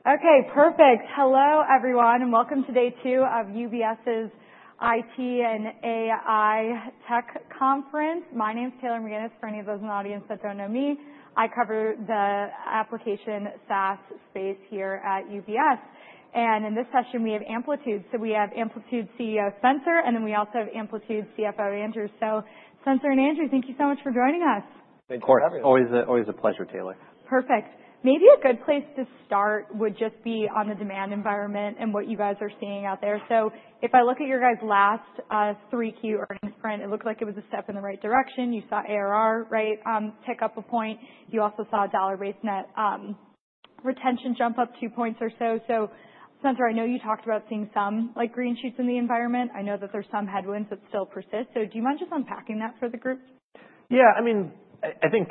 Okay, perfect. Hello, everyone, and welcome to day two of UBS's IT and AI Tech Conference. My name is Taylor McGinnis. For any of those in the audience that don't know me, I cover the application SaaS space here at UBS. And in this session, we have Amplitude. So we have Amplitude CEO Spenser, and then we also have Amplitude CFO Andrew. So Spenser and Andrew, thank you so much for joining us. Thanks, Karl. Always a pleasure, Taylor. Perfect. Maybe a good place to start would just be on the demand environment and what you guys are seeing out there. So if I look at your guys' last Q3 earnings print, it looked like it was a step in the right direction. You saw ARR, right, tick up a point. You also saw dollar-based net retention jump up two points or so. So Spenser, I know you talked about seeing some green shoots in the environment. I know that there's some headwinds that still persist. So do you mind just unpacking that for the group? Yeah, I mean, I think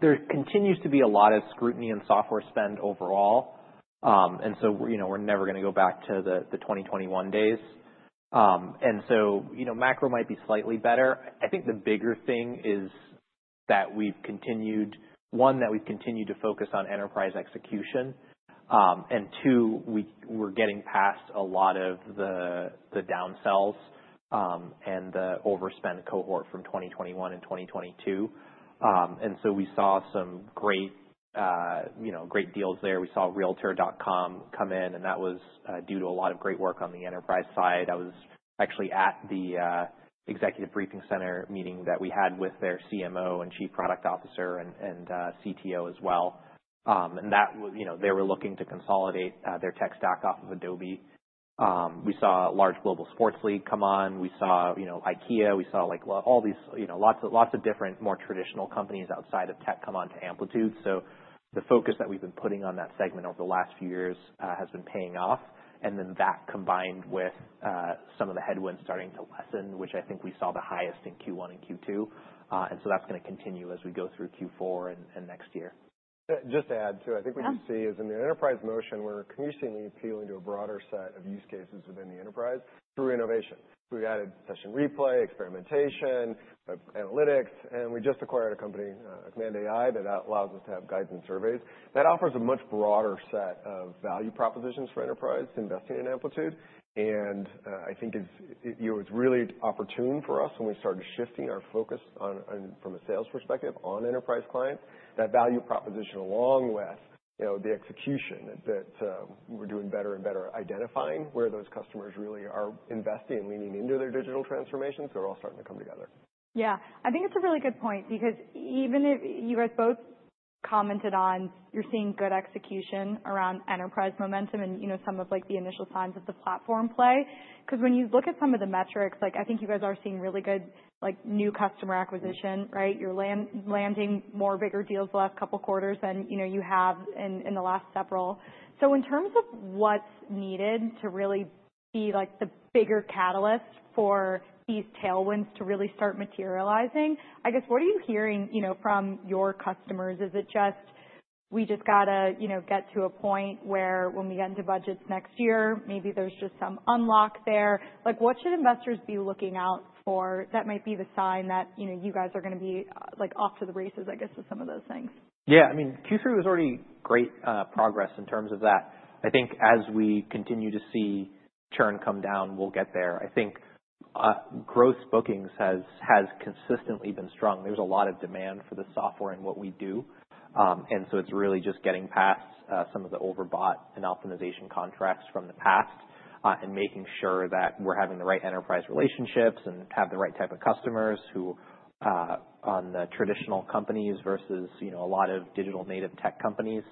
there continues to be a lot of scrutiny and software spend overall. And so we're never going to go back to the 2021 days. And so macro might be slightly better. I think the bigger thing is that we've continued, one, that we've continued to focus on enterprise execution. And two, we're getting past a lot of the downsells and the overspend cohort from 2021 and 2022. And so we saw some great deals there. We saw Realtor.com come in, and that was due to a lot of great work on the enterprise side. I was actually at the executive briefing center meeting that we had with their CMO and Chief Product Officer and CTO as well. And they were looking to consolidate their tech stack off of Adobe. We saw a large global sports league come on. We saw IKEA. We saw all these lots of different more traditional companies outside of tech come on to Amplitude, so the focus that we've been putting on that segment over the last few years has been paying off, and then that combined with some of the headwinds starting to lessen, which I think we saw the highest in Q1 and Q2, and so that's going to continue as we go through Q4 and next year. Just to add, too, I think what you see is in the enterprise motion, we're continuously appealing to a broader set of use cases within the enterprise through innovation. We've added Session Replay, Experimentation, Analytics, and we just acquired a company, Command AI, that allows us to have guidance surveys. That offers a much broader set of value propositions for enterprise investing in Amplitude. And I think it was really opportune for us when we started shifting our focus from a sales perspective on enterprise clients. That value proposition, along with the execution that we're doing better and better identifying where those customers really are investing and leaning into their digital transformations, they're all starting to come together. Yeah, I think it's a really good point because even if you guys both commented on you're seeing good execution around enterprise momentum and some of the initial signs of the platform play. Because when you look at some of the metrics, I think you guys are seeing really good new customer acquisition, right? You're landing more bigger deals the last couple of quarters than you have in the last several. So in terms of what's needed to really be the bigger catalyst for these tailwinds to really start materializing, I guess, what are you hearing from your customers? Is it just, we just got to get to a point where when we get into budgets next year, maybe there's just some unlock there? What should investors be looking out for that might be the sign that you guys are going to be off to the races, I guess, with some of those things? Yeah, I mean, Q3 was already great progress in terms of that. I think as we continue to see churn come down, we'll get there. I think gross bookings has consistently been strong. There's a lot of demand for the software and what we do. And so it's really just getting past some of the overbought and optimization contracts from the past and making sure that we're having the right enterprise relationships and have the right type of customers on the traditional companies versus a lot of digital native tech companies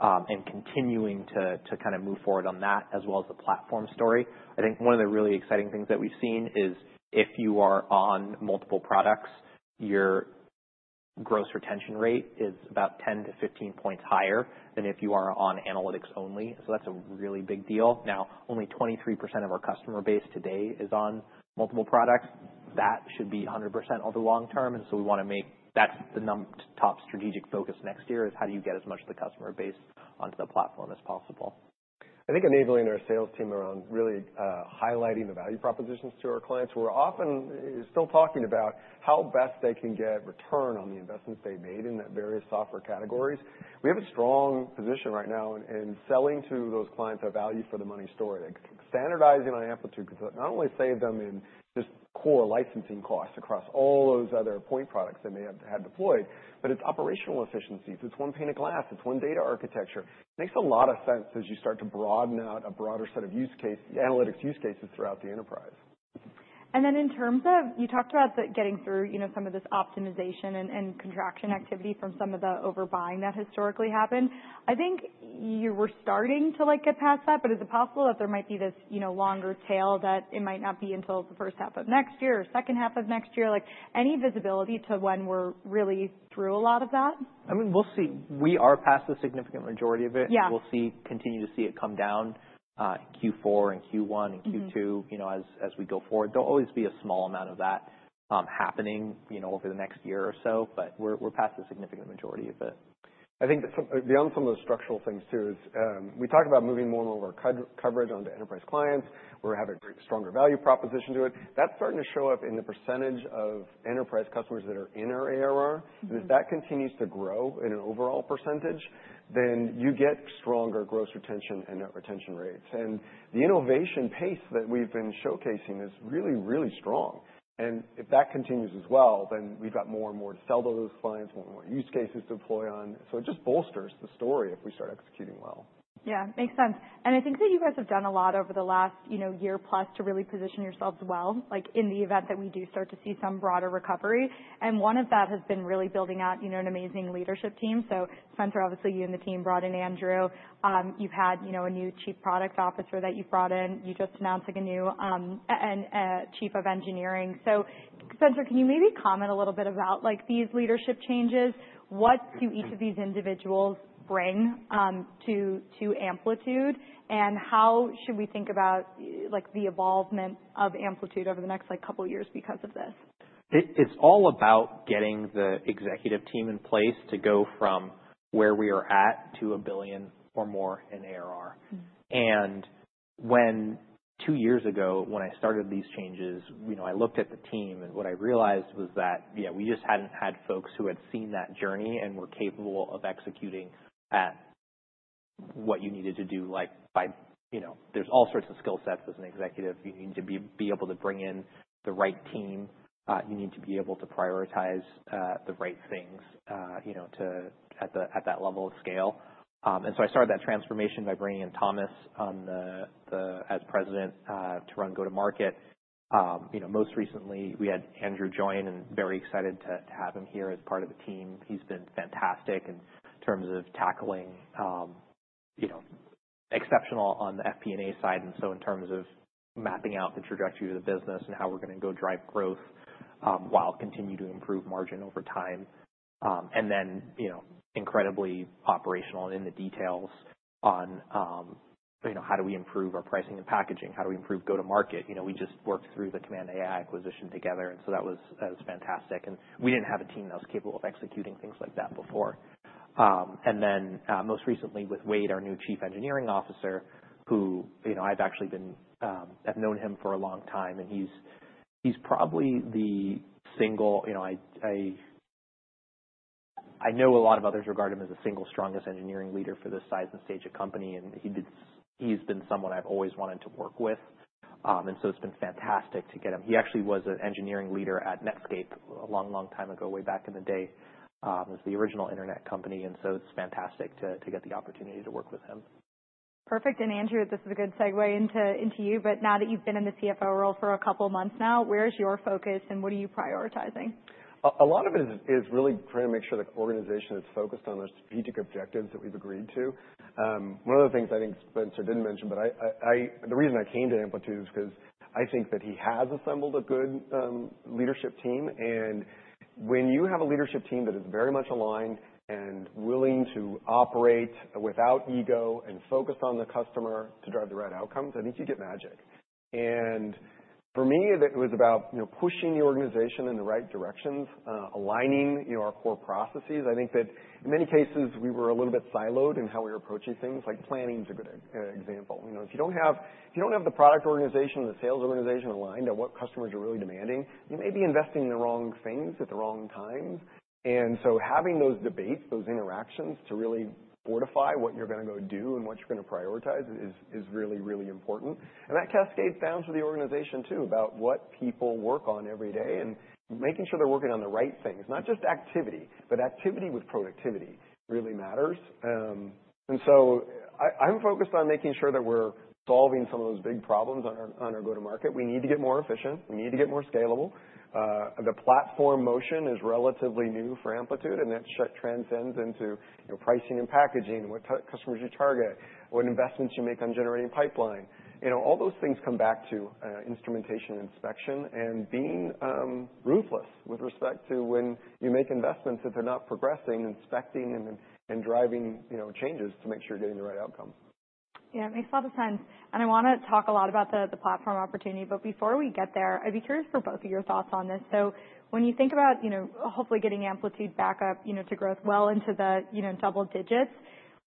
and continuing to kind of move forward on that as well as the platform story. I think one of the really exciting things that we've seen is if you are on multiple products, your gross retention rate is about 10-15 points higher than if you are on analytics only. So that's a really big deal. Now, only 23% of our customer base today is on multiple products. That should be 100% over the long term. And so we want to make that the top strategic focus next year is how do you get as much of the customer base onto the platform as possible. I think enabling our sales team around really highlighting the value propositions to our clients. We're often still talking about how best they can get return on the investments they made in the various software categories. We have a strong position right now in selling to those clients a value for the money story. Standardizing on Amplitude could not only save them in just core licensing costs across all those other point products they may have had deployed, but it's operational efficiencies. It's one pane of glass. It's one data architecture. Makes a lot of sense as you start to broaden out a broader set of analytics use cases throughout the enterprise. And then in terms of you talked about getting through some of this optimization and contraction activity from some of the overbuying that historically happened. I think you were starting to get past that, but is it possible that there might be this longer tail that it might not be until the first half of next year or second half of next year? Any visibility to when we're really through a lot of that? I mean, we'll see. We are past the significant majority of it. We'll continue to see it come down Q4 and Q1 and Q2 as we go forward. There'll always be a small amount of that happening over the next year or so, but we're past the significant majority of it. I think beyond some of the structural things, too, is we talk about moving more and more of our coverage onto enterprise clients. We're having a stronger value proposition to it. That's starting to show up in the percentage of enterprise customers that are in our ARR. And if that continues to grow in an overall percentage, then you get stronger gross retention and net retention rates. And the innovation pace that we've been showcasing is really, really strong. And if that continues as well, then we've got more and more to sell to those clients, more and more use cases to deploy on. So it just bolsters the story if we start executing well. Yeah, makes sense. I think that you guys have done a lot over the last year plus to really position yourselves well in the event that we do start to see some broader recovery. One of that has been really building out an amazing leadership team. So Spenser, obviously, you and the team brought in Andrew. You've had a new Chief Product Officer that you've brought in. You just announced a new Chief of Engineering. So Spenser, can you maybe comment a little bit about these leadership changes? What do each of these individuals bring to Amplitude? How should we think about the evolution of Amplitude over the next couple of years because of this? It's all about getting the executive team in place to go from where we are at to a billion or more in ARR, and two years ago, when I started these changes, I looked at the team, and what I realized was that, yeah, we just hadn't had folks who had seen that journey and were capable of executing what you needed to do. There's all sorts of skill sets as an executive. You need to be able to bring in the right team. You need to be able to prioritize the right things at that level of scale, and so I started that transformation by bringing in Thomas as President to run go-to-market. Most recently, we had Andrew join, and very excited to have him here as part of the team. He's been fantastic in terms of tackling exceptional on the FP&A side. And so in terms of mapping out the trajectory of the business and how we're going to go drive growth while continuing to improve margin over time. And then incredibly operational and in the details on how do we improve our pricing and packaging? How do we improve go-to-market? We just worked through the Command AI acquisition together. And so that was fantastic. And we didn't have a team that was capable of executing things like that before. And then most recently, with Wade, our new Chief Engineering Officer, who I've actually known him for a long time. And he's probably the single. I know a lot of others regard him as the single strongest engineering leader for this size and stage of company. And he's been someone I've always wanted to work with. And so it's been fantastic to get him. He actually was an engineering leader at Netscape a long, long time ago, way back in the day. It was the original internet company, and so it's fantastic to get the opportunity to work with him. Perfect. And Andrew, this is a good segue into you. But now that you've been in the CFO role for a couple of months now, where is your focus and what are you prioritizing? A lot of it is really trying to make sure that the organization is focused on the strategic objectives that we've agreed to. One of the things I think Spenser didn't mention, but the reason I came to Amplitude is because I think that he has assembled a good leadership team, and when you have a leadership team that is very much aligned and willing to operate without ego and focus on the customer to drive the right outcomes, I think you get magic, and for me, it was about pushing the organization in the right directions, aligning our core processes. I think that in many cases, we were a little bit siloed in how we were approaching things. Planning is a good example. If you don't have the product organization and the sales organization aligned on what customers are really demanding, you may be investing in the wrong things at the wrong times. And so having those debates, those interactions to really fortify what you're going to go do and what you're going to prioritize is really, really important. And that cascades down to the organization, too, about what people work on every day and making sure they're working on the right things. Not just activity, but activity with productivity really matters. And so I'm focused on making sure that we're solving some of those big problems on our go-to-market. We need to get more efficient. We need to get more scalable. The platform motion is relatively new for Amplitude, and that transcends into pricing and packaging, what customers you target, what investments you make on generating pipeline. All those things come back to instrumentation inspection and being ruthless with respect to when you make investments, if they're not progressing, inspecting and driving changes to make sure you're getting the right outcome. Yeah, it makes a lot of sense. I want to talk a lot about the platform opportunity. But before we get there, I'd be curious for both of your thoughts on this. So when you think about hopefully getting Amplitude back up to growth well into the double digits,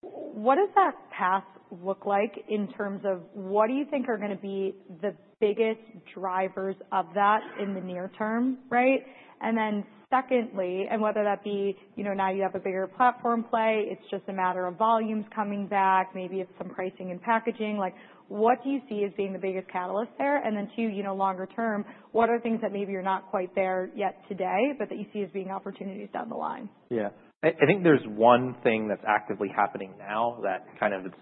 what does that path look like in terms of what do you think are going to be the biggest drivers of that in the near term, right? And then secondly, and whether that be now you have a bigger platform play, it's just a matter of volumes coming back, maybe of some pricing and packaging. What do you see as being the biggest catalyst there? And then two, longer term, what are things that maybe you're not quite there yet today, but that you see as being opportunities down the line? Yeah. I think there's one thing that's actively happening now that kind of it's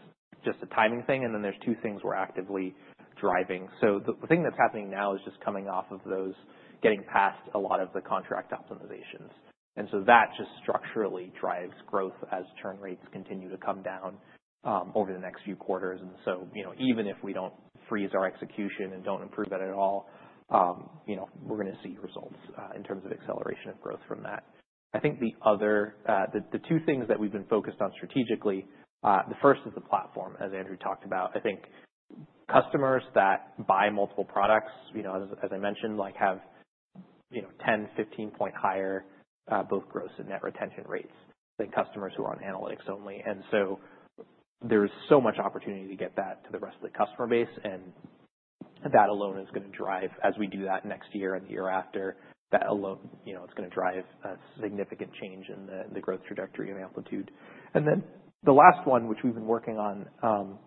just a timing thing, and then there's two things we're actively driving, so the thing that's happening now is just coming off of those getting past a lot of the contract optimizations, and so that just structurally drives growth as churn rates continue to come down over the next few quarters, and so even if we don't freeze our execution and don't improve that at all, we're going to see results in terms of acceleration of growth from that. I think the other two things that we've been focused on strategically, the first is the platform, as Andrew talked about. I think customers that buy multiple products, as I mentioned, have 10-15-point higher both gross and net retention rates than customers who are on analytics only. And so there's so much opportunity to get that to the rest of the customer base. And that alone is going to drive, as we do that next year and the year after, that alone is going to drive a significant change in the growth trajectory of Amplitude. And then the last one, which we've been working on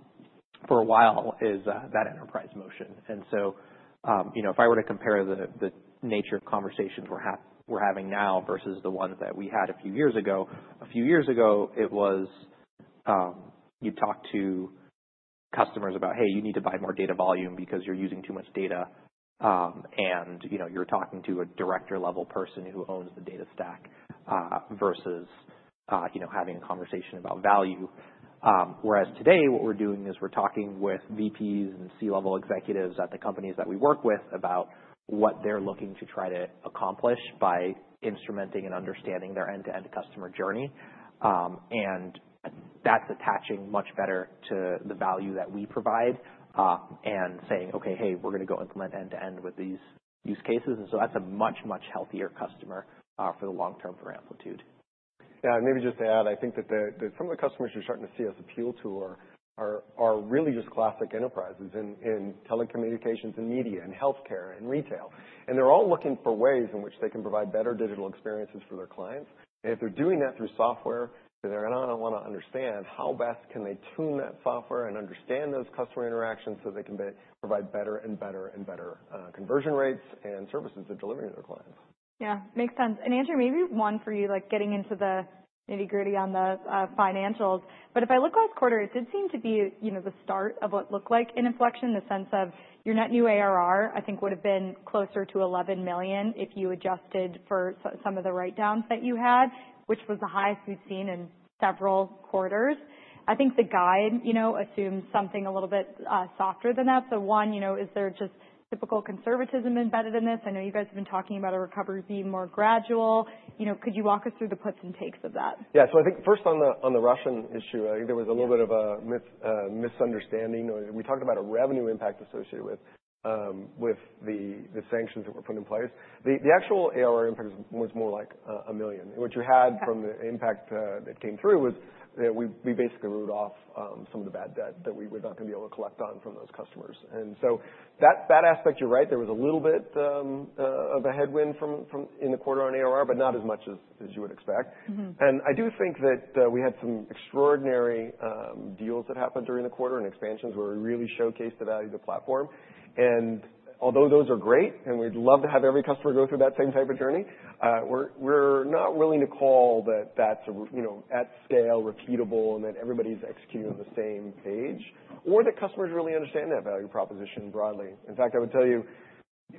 for a while, is that enterprise motion. And so if I were to compare the nature of conversations we're having now versus the ones that we had a few years ago, a few years ago, it was you'd talk to customers about, "Hey, you need to buy more data volume because you're using too much data." And you're talking to a director-level person who owns the data stack versus having a conversation about value. Whereas today, what we're doing is we're talking with VPs and C-level executives at the companies that we work with about what they're looking to try to accomplish by instrumenting and understanding their end-to-end customer journey. And that's attaching much better to the value that we provide and saying, "Okay, hey, we're going to go implement end-to-end with these use cases." And so that's a much, much healthier customer for the long term for Amplitude. Yeah, and maybe just to add, I think that some of the customers you're starting to see us appeal to are really just classic enterprises in telecommunications and media and healthcare and retail, and they're all looking for ways in which they can provide better digital experiences for their clients, and if they're doing that through software, then they're going to want to understand how best can they tune that software and understand those customer interactions so they can provide better and better and better conversion rates and services they're delivering to their clients. Yeah, makes sense, and Andrew, maybe one for you, getting into the nitty-gritty on the financials, but if I look last quarter, it did seem to be the start of what looked like an inflection, the sense of your net new ARR, I think, would have been closer to $11 million if you adjusted for some of the write-downs that you had, which was the highest we've seen in several quarters. I think the guide assumes something a little bit softer than that, so one, is there just typical conservatism embedded in this? I know you guys have been talking about a recovery being more gradual. Could you walk us through the puts and takes of that? Yeah. So I think first on the Russian issue, I think there was a little bit of a misunderstanding. We talked about a revenue impact associated with the sanctions that were put in place. The actual ARR impact was more like $1 million. And what you had from the impact that came through was that we basically wrote off some of the bad debt that we were not going to be able to collect on from those customers. And so that aspect, you're right, there was a little bit of a headwind in the quarter on ARR, but not as much as you would expect. And I do think that we had some extraordinary deals that happened during the quarter and expansions where we really showcased the value of the platform. And although those are great, and we'd love to have every customer go through that same type of journey, we're not willing to call that that's at scale, repeatable, and that everybody's executing on the same page, or that customers really understand that value proposition broadly. In fact, I would tell you,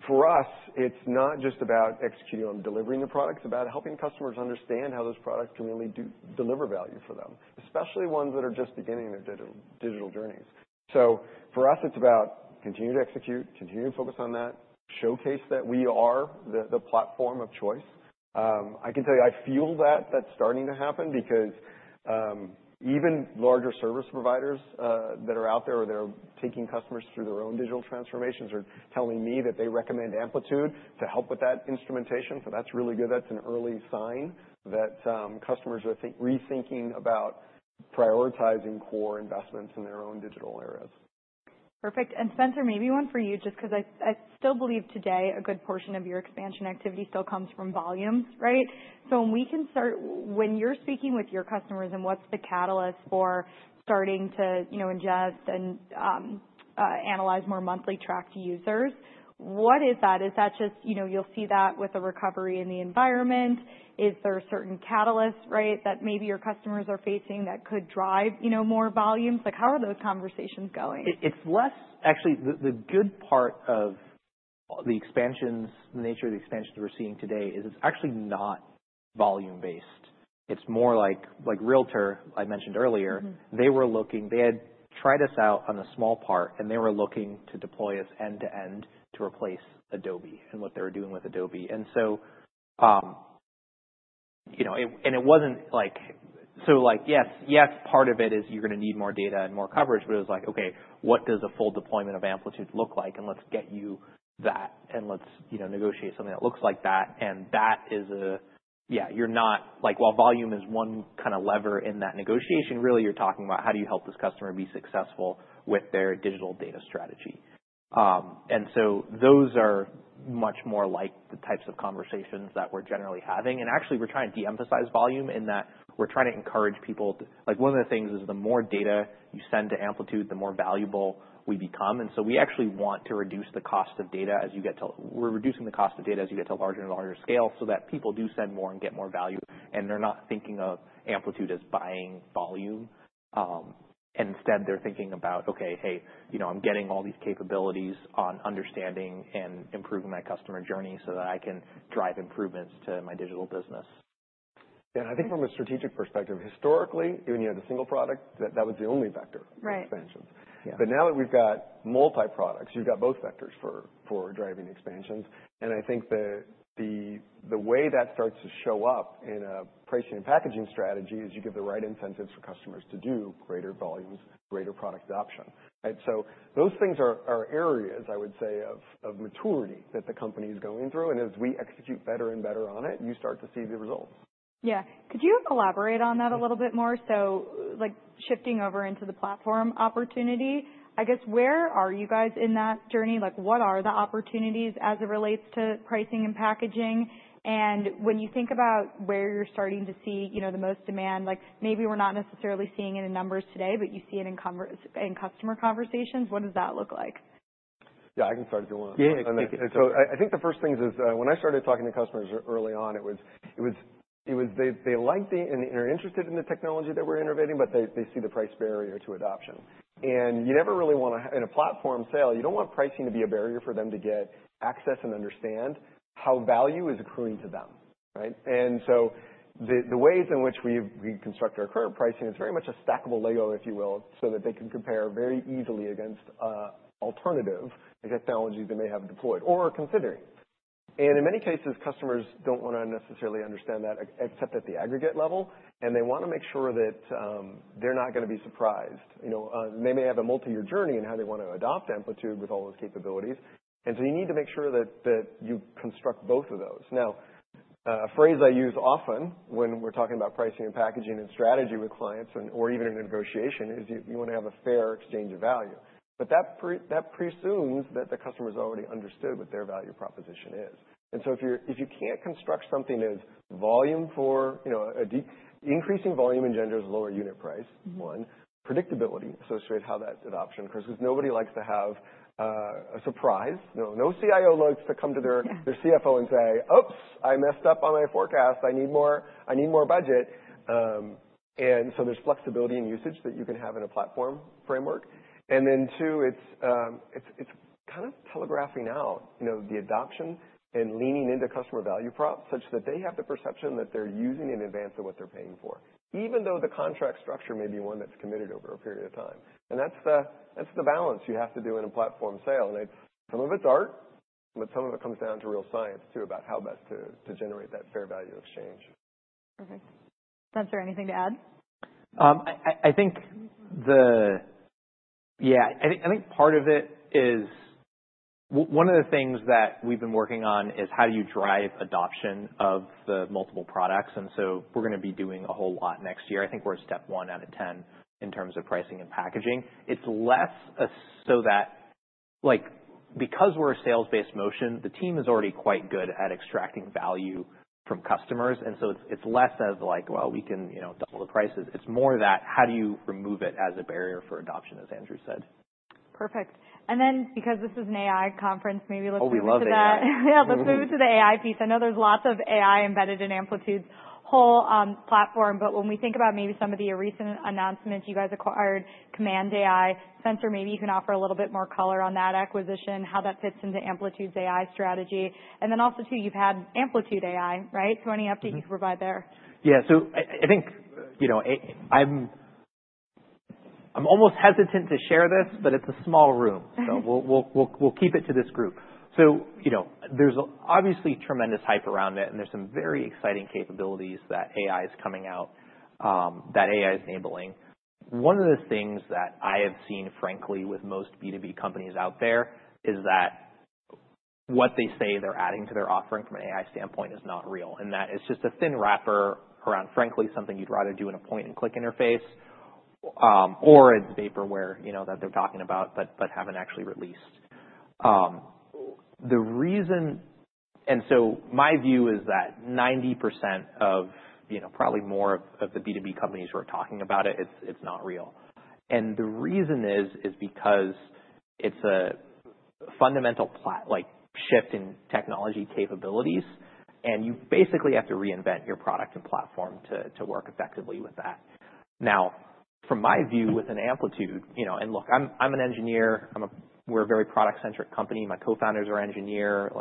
for us, it's not just about executing on delivering the product. It's about helping customers understand how those products can really deliver value for them, especially ones that are just beginning their digital journeys. So for us, it's about continuing to execute, continuing to focus on that, showcase that we are the platform of choice. I can tell you I feel that that's starting to happen because even larger service providers that are out there or that are taking customers through their own digital transformations are telling me that they recommend Amplitude to help with that instrumentation. So that's really good. That's an early sign that customers are rethinking about prioritizing core investments in their own digital areas. Perfect. And Spenser, maybe one for you, just because I still believe today a good portion of your expansion activity still comes from volumes, right? So when we can start when you're speaking with your customers and what's the catalyst for starting to ingest and analyze more monthly tracked users, what is that? Is that just you'll see that with a recovery in the environment? Is there certain catalysts, right, that maybe your customers are facing that could drive more volumes? How are those conversations going? It's less actually the good part of the expansions. The nature of the expansions we're seeing today is it's actually not volume-based. It's more like Realtor. I mentioned earlier, they were looking. They had tried us out on a small part, and they were looking to deploy us end-to-end to replace Adobe and what they were doing with Adobe. And so it wasn't like so yes, yes, part of it is you're going to need more data and more coverage. But it was like, "Okay, what does a full deployment of Amplitude look like? And let's get you that. And let's negotiate something that looks like that." And that is a yeah, you're not while volume is one kind of lever in that negotiation. Really, you're talking about how do you help this customer be successful with their digital data strategy. Those are much more like the types of conversations that we're generally having. Actually, we're trying to de-emphasize volume in that we're trying to encourage people. One of the things is the more data you send to Amplitude, the more valuable we become. And so we actually want to reduce the cost of data as you get to larger and larger scale so that people do send more and get more value. They're not thinking of Amplitude as buying volume. Instead, they're thinking about, "Okay, hey, I'm getting all these capabilities on understanding and improving my customer journey so that I can drive improvements to my digital business. Yeah. And I think from a strategic perspective, historically, when you had a single product, that was the only vector for expansions. But now that we've got multi-products, you've got both vectors for driving expansions. And I think the way that starts to show up in a pricing and packaging strategy is you give the right incentives for customers to do greater volumes, greater product adoption. And so those things are areas, I would say, of maturity that the company is going through. And as we execute better and better on it, you start to see the results. Yeah. Could you elaborate on that a little bit more? So shifting over into the platform opportunity, I guess, where are you guys in that journey? What are the opportunities as it relates to pricing and packaging? And when you think about where you're starting to see the most demand, maybe we're not necessarily seeing it in numbers today, but you see it in customer conversations, what does that look like? Yeah, I can start if you want. Yeah, thank you. So I think the first thing is when I started talking to customers early on, it was they liked and are interested in the technology that we're innovating, but they see the price barrier to adoption. And you never really want to in a platform sale, you don't want pricing to be a barrier for them to get access and understand how value is accruing to them, right? And so the ways in which we construct our current pricing is very much a stackable Lego, if you will, so that they can compare very easily against alternative technologies they may have deployed or are considering. And in many cases, customers don't want to necessarily understand that except at the aggregate level. And they want to make sure that they're not going to be surprised. They may have a multi-year journey in how they want to adopt Amplitude with all those capabilities. And so you need to make sure that you construct both of those. Now, a phrase I use often when we're talking about pricing and packaging and strategy with clients or even in a negotiation is you want to have a fair exchange of value. But that presumes that the customer has already understood what their value proposition is. And so if you can't construct something as volume for increasing volume engenders lower unit price, one, predictability associated with how that adoption occurs because nobody likes to have a surprise. No CIO likes to come to their CFO and say, "Oops, I messed up on my forecast. I need more budget." And so there's flexibility and usage that you can have in a platform framework. And then two, it's kind of telegraphing out the adoption and leaning into customer value props such that they have the perception that they're using in advance of what they're paying for, even though the contract structure may be one that's committed over a period of time. And that's the balance you have to do in a platform sale. And some of it's art, but some of it comes down to real science, too, about how best to generate that fair value exchange. Spenser, anything to add? I think part of it is one of the things that we've been working on is how do you drive adoption of the multiple products. And so we're going to be doing a whole lot next year. I think we're at step one out of 10 in terms of pricing and packaging. It's less so that because we're a sales-based motion, the team is already quite good at extracting value from customers. And so it's less of like, "Well, we can double the prices." It's more that how do you remove it as a barrier for adoption, as Andrew said. Perfect. And then because this is an AI conference, maybe let's move into that. Oh, we love AI. Yeah, let's move into the AI piece. I know there's lots of AI embedded in Amplitude's whole platform. But when we think about maybe some of the recent announcements, you guys acquired Command AI. Spenser, maybe you can offer a little bit more color on that acquisition, how that fits into Amplitude's AI strategy. And then also, too, you've had Amplitude AI, right? So any update you can provide there? Yeah. So I think I'm almost hesitant to share this, but it's a small room. So we'll keep it to this group. So there's obviously tremendous hype around it, and there's some very exciting capabilities that AI is coming out that AI is enabling. One of the things that I have seen, frankly, with most B2B companies out there is that what they say they're adding to their offering from an AI standpoint is not real. And that is just a thin wrapper around, frankly, something you'd rather do in a point-and-click interface or paper that they're talking about but haven't actually released. The reason, and so my view is that 90% of probably more of the B2B companies who are talking about it, it's not real. And the reason is because it's a fundamental shift in technology capabilities. And you basically have to reinvent your product and platform to work effectively with that. Now, from my view within Amplitude, and look, I'm an engineer. We're a very product-centric company. My co-founders are engineers.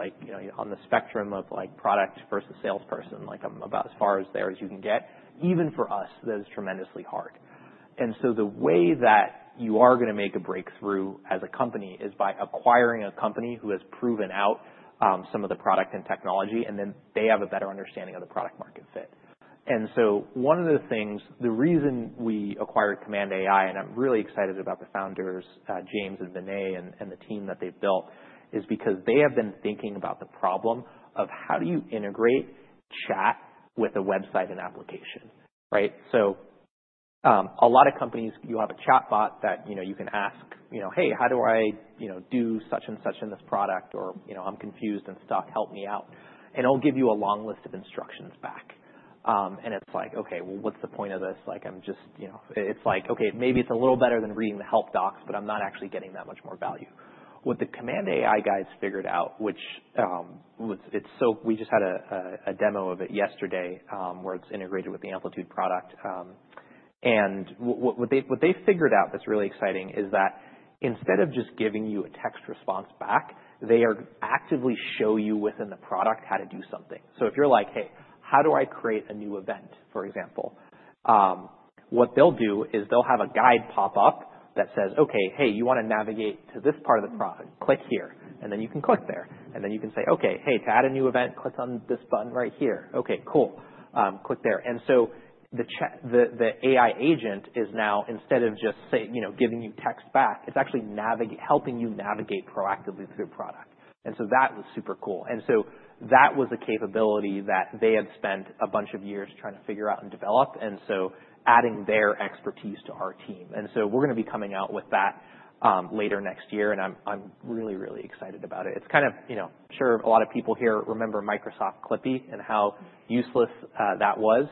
On the spectrum of product versus salesperson, I'm about as far as there as you can get. Even for us, that is tremendously hard. And so the way that you are going to make a breakthrough as a company is by acquiring a company who has proven out some of the product and technology, and then they have a better understanding of the product-market fit. And so one of the things, the reason we acquired Command AI, and I'm really excited about the founders, James and Vinay and the team that they've built, is because they have been thinking about the problem of how do you integrate chat with a website and application, right? So a lot of companies, you have a chatbot that you can ask, "Hey, how do I do such and such in this product?" Or, "I'm confused and stuck. Help me out." And it'll give you a long list of instructions back. And it's like, "Okay, well, what's the point of this?" It's like, "Okay, maybe it's a little better than reading the help docs, but I'm not actually getting that much more value." What the Command AI guys figured out, which it's so we just had a demo of it yesterday where it's integrated with the Amplitude product. And what they figured out that's really exciting is that instead of just giving you a text response back, they actively show you within the product how to do something. So if you're like, "Hey, how do I create a new event?" for example, what they'll do is they'll have a guide pop up that says, "Okay, hey, you want to navigate to this part of the product, click here." And then you can click there. And then you can say, "Okay, hey, to add a new event, click on this button right here. Okay, cool. Click there." And so the AI agent is now, instead of just giving you text back, it's actually helping you navigate proactively through product. And so that was super cool. And so that was a capability that they had spent a bunch of years trying to figure out and develop, and so adding their expertise to our team. And we're going to be coming out with that later next year. And I'm really, really excited about it. It's kind of, sure, a lot of people here remember Microsoft Clippy and how useless that was.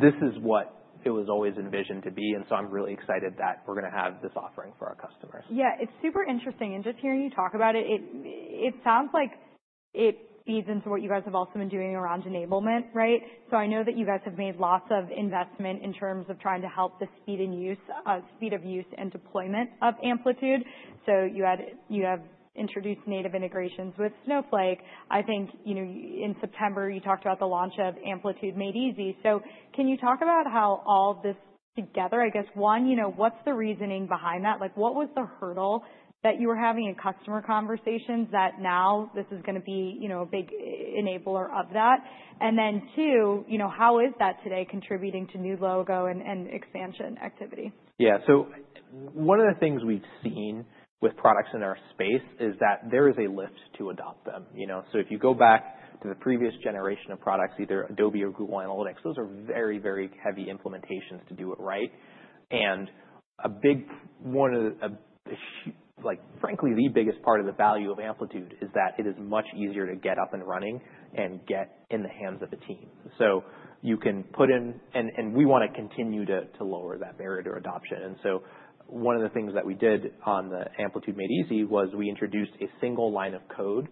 This is what it was always envisioned to be, and so I'm really excited that we're going to have this offering for our customers. Yeah, it's super interesting, and just hearing you talk about it, it sounds like it feeds into what you guys have also been doing around enablement, right, so I know that you guys have made lots of investment in terms of trying to help the speed of use and deployment of Amplitude, so you have introduced native integrations with Snowflake. I think in September, you talked about the launch of Amplitude Made Easy, so can you talk about how all this together, I guess, one, what's the reasoning behind that? What was the hurdle that you were having in customer conversations that now this is going to be a big enabler of that, and then two, how is that today contributing to new logo and expansion activity? Yeah. So one of the things we've seen with products in our space is that there is a lift to adopt them. So if you go back to the previous generation of products, either Adobe or Google Analytics, those are very, very heavy implementations to do it right. And a big one of the, frankly, the biggest part of the value of Amplitude is that it is much easier to get up and running and get in the hands of the team. So you can put in and we want to continue to lower that barrier to adoption. And so one of the things that we did on the Amplitude Made Easy was we introduced a single line of code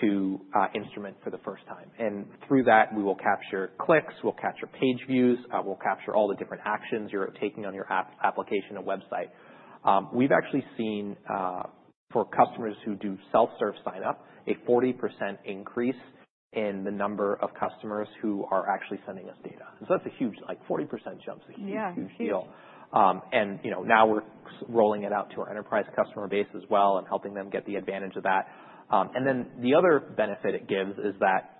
to instrument for the first time. And through that, we will capture clicks. We'll capture page views. We'll capture all the different actions you're taking on your application and website. We've actually seen, for customers who do self-serve signup, a 40% increase in the number of customers who are actually sending us data. And so that's a huge 40% jump. It's a huge, huge deal. And now we're rolling it out to our enterprise customer base as well and helping them get the advantage of that. And then the other benefit it gives is that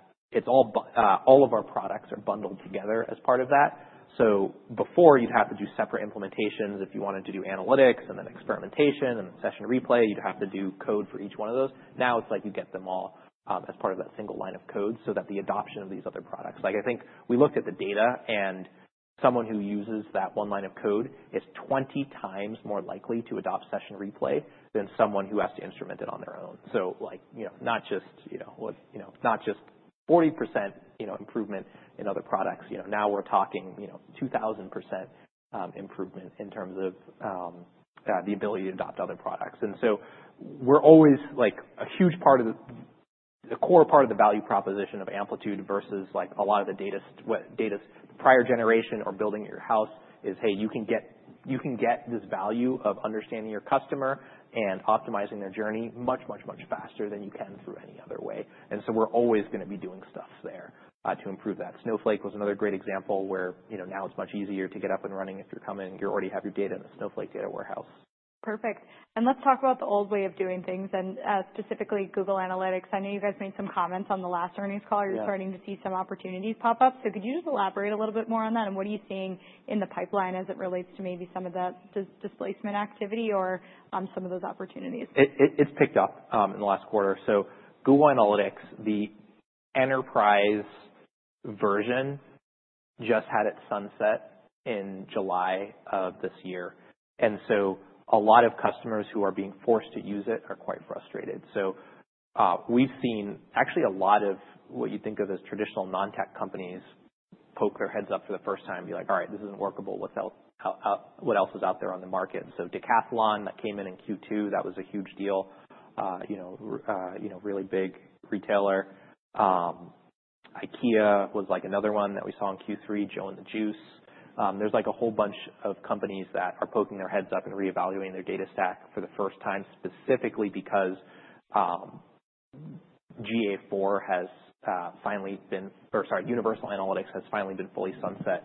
all of our products are bundled together as part of that. So before, you'd have to do separate implementations if you wanted to do analytics and then experimentation and session replay. You'd have to do code for each one of those. Now it's like you get them all as part of that single line of code so that the adoption of these other products. I think we looked at the data, and someone who uses that one line of code is 20 times more likely to adopt session replay than someone who has to instrument it on their own. So not just 40% improvement in other products. Now we're talking 2,000% improvement in terms of the ability to adopt other products. And so we're always a huge part of the core part of the value proposition of Amplitude versus a lot of the data prior generation or building at your house is, "Hey, you can get this value of understanding your customer and optimizing their journey much, much, much faster than you can through any other way." And so we're always going to be doing stuff there to improve that. Snowflake was another great example where now it's much easier to get up and running if you're coming. You already have your data in the Snowflake data warehouse. Perfect. And let's talk about the old way of doing things, and specifically Google Analytics. I know you guys made some comments on the last earnings call. You're starting to see some opportunities pop up. So could you just elaborate a little bit more on that? And what are you seeing in the pipeline as it relates to maybe some of that displacement activity or some of those opportunities? It's picked up in the last quarter, so Google Analytics, the enterprise version, just had its sunset in July of this year, and so a lot of customers who are being forced to use it are quite frustrated, so we've seen actually a lot of what you think of as traditional non-tech companies poke their heads up for the first time and be like, "All right, this isn't workable. What else is out there on the market?", so Decathlon that came in in Q2, that was a huge deal, really big retailer. IKEA was like another one that we saw in Q3, Joe and the Juice. There's like a whole bunch of companies that are poking their heads up and reevaluating their data stack for the first time specifically because GA4 has finally been or sorry, Universal Analytics has finally been fully sunset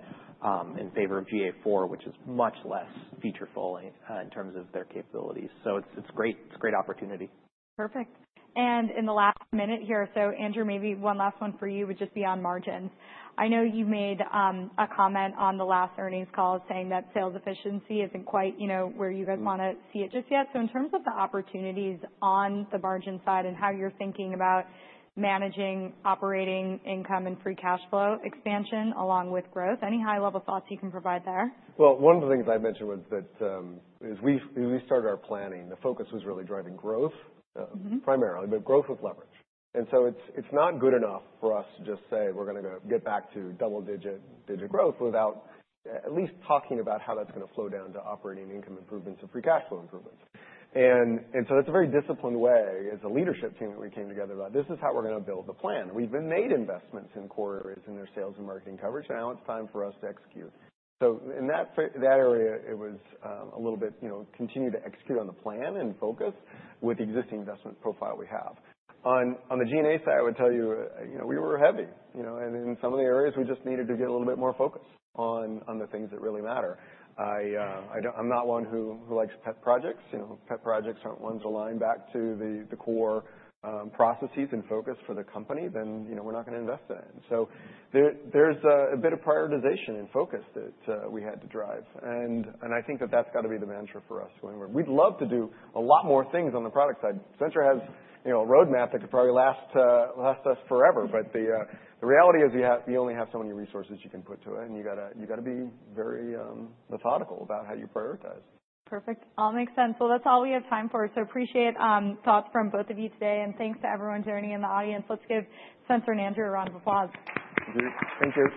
in favor of GA4, which is much less feature-filling in terms of their capabilities. So it's a great opportunity. Perfect. And in the last minute here, so Andrew, maybe one last one for you would just be on margins. I know you made a comment on the last earnings call saying that sales efficiency isn't quite where you guys want to see it just yet. So in terms of the opportunities on the margin side and how you're thinking about managing operating income and free cash flow expansion along with growth, any high-level thoughts you can provide there? One of the things I mentioned was that as we started our planning, the focus was really driving growth primarily, but growth with leverage. And so it's not good enough for us to just say, "We're going to get back to double-digit growth," without at least talking about how that's going to flow down to operating income improvements and free cash flow improvements. And so that's a very disciplined way as a leadership team that we came together about, "This is how we're going to build the plan." We've made investments in core areas in their sales and marketing coverage. Now it's time for us to execute. So in that area, it was a little bit continue to execute on the plan and focus with the existing investment profile we have. On the G&A side, I would tell you we were heavy. And in some of the areas, we just needed to get a little bit more focus on the things that really matter. I'm not one who likes pet projects. Pet projects aren't ones that align back to the core processes and focus for the company. Then we're not going to invest in it. And so there's a bit of prioritization and focus that we had to drive. And I think that that's got to be the mantra for us going forward. We'd love to do a lot more things on the product side. Spenser has a roadmap that could probably last us forever. But the reality is you only have so many resources you can put to it. And you've got to be very methodical about how you prioritize. Perfect. All makes sense. That's all we have time for. So appreciate thoughts from both of you today. And thanks to everyone joining in the audience. Let's give Spenser and Andrew a round of applause. Thank you.